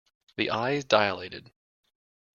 The eyes dilated.